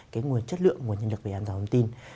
cái nguồn chất lượng nguồn nhân lực về an toàn thông tin